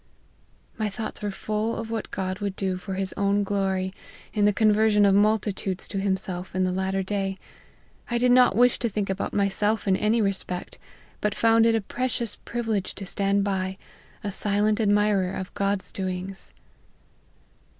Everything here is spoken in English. " My thoughts were full of what God would do for his own glory, in the conversion of multitudes to him self in the latter day. I did not wish to think about myself in any respect, but found it a precious privilege to stand by, a silent admirer of God's doings."